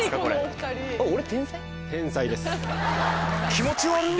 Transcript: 気持ち悪っ。